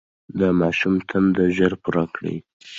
د ماشوم د تنده ژر پوره کړئ.